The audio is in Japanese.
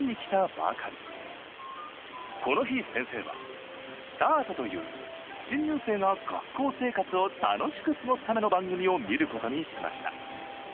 この日先生は「すたあと」という新入生が学校生活を楽しく過ごすための番組を見ることにしました。